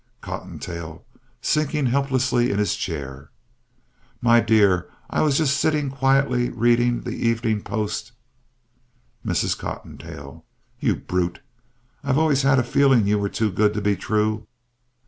COTTONTAIL (sinking helplessly in his chair) My dear, I was just sitting quietly, reading The Evening Post MRS. COTTONTAIL You brute! I always had a feeling you were too good to be true.